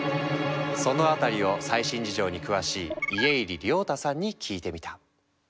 そのあたりを最新事情に詳しい家入龍太さんに聞いてみた。